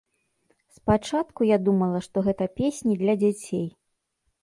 Спачатку я думала, што гэта песні для дзяцей.